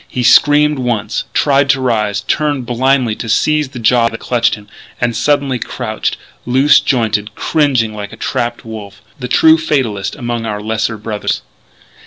He screamed once, tried to rise, turned blindly to seize the jaws that clutched him; and suddenly crouched, loose jointed, cringing like a trapped wolf the true fatalist among our lesser brothers.